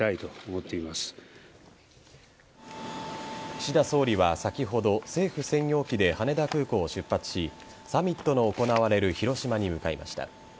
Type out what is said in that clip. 岸田総理は先ほど政府専用機で羽田空港を出発しサミットの行われる広島に向かいました。